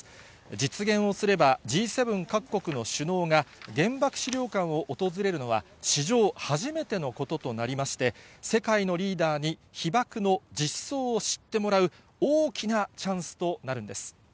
実現をすれば、Ｇ７各国の首脳が原爆資料館を訪れるのは史上初めてのこととなりまして、世界のリーダーに被爆の実相を知ってもらう大きなチャンスとなるんです。